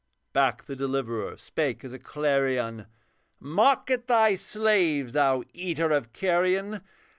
Back the Deliverer spake as a clarion, 'Mock at thy slaves, thou eater of carrion!